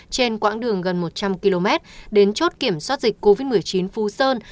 trên quãng đường gần một trăm linh km đến chốt kiểm soát dịch covid một mươi chín phú sơn